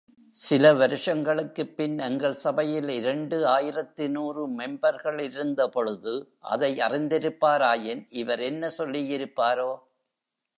சில வருஷங்களுக்குப் பின் எங்கள் சபையில் இரண்டு ஆயிரத்து நூறு மெம்பர்களிலிருந்தபொழுது, அதை அறிந்திருப்பாராயின் இவர் என்ன சொல்லியிருப்பாரோ?